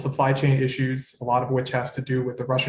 yang banyak berkaitan dengan invasi rusia